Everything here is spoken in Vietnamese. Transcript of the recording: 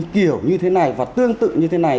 kiểu như thế này và tương tự như thế này